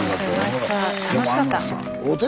楽しかった。